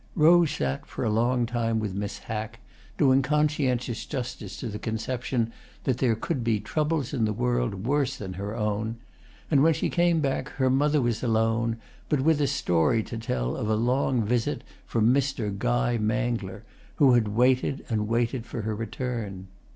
Rose sat for a long time with Miss Hack, doing conscientious justice to the conception that there could be troubles in the world worse than her own; and when she came back her mother was alone, but with a story to tell of a long visit from Mr. Guy Mangler, who had waited and waited for her return.